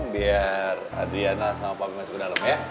biar adriana sama pak ping masuk ke dalam ya